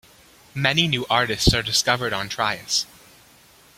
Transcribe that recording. Many new artists are discovered on trios.